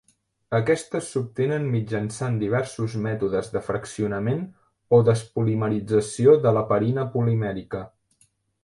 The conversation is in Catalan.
Aquestes s'obtenen mitjançant diversos mètodes de fraccionament o despolimerització de l'heparina polimèrica.